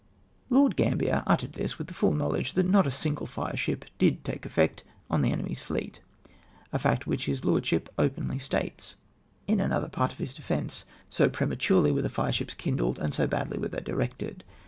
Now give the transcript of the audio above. Lord Gambler uttered this with the full knowledcre O that NOT A SIXGLE FIRE.SHIP DID TAKE EFFECT OX THE exemy's fleet, a fact which his lordship openly states in another part of his defence ; so prematurely were the fireships Idndled, and so badly were they du ected.